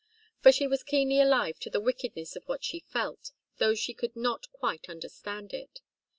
For she was keenly alive to the wickedness of what she felt, though she could not quite understand it.